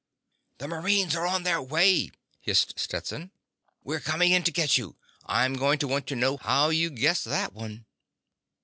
"The marines are on their way," hissed Stetson. _"We're coming in to get you. I'm going to want to know how you guessed that one."